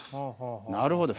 なるほど。